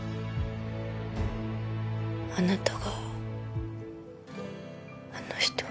あなたがあの人を